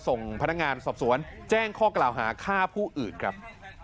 ส่งพนักงานสอบสวนแจ้งข้อกล่าวหาฆ่าผู้อื่นครับ